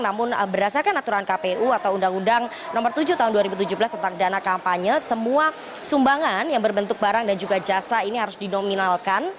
namun berdasarkan aturan kpu atau undang undang nomor tujuh tahun dua ribu tujuh belas tentang dana kampanye semua sumbangan yang berbentuk barang dan juga jasa ini harus dinominalkan